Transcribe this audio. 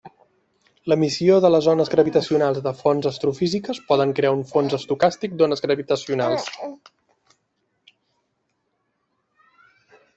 L'emissió de les ones gravitacionals de fonts astrofísiques poden crear un fons estocàstic d'ones gravitacionals.